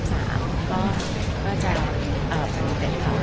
ก็จะเป็นเวลานะคะใช่ชาวประหลาดคืนทุกวัน